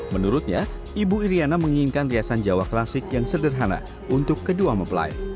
menurutnya ibu iryana menginginkan riasan jawa klasik yang sederhana untuk kedua mempelai